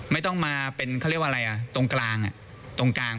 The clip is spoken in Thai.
ไม่ต้องมาเป็นเขาเรียกว่าอะไรอ่ะตรงกลางตรงกลาง